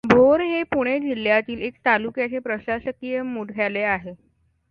भोर हे पुणे जिल्ह्यातील एक तालुक्याचे प्रशासकीय मुख्यालय आहे.